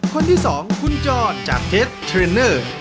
คนที่๒คุณจอร์นจาเทศเทรนเนอร์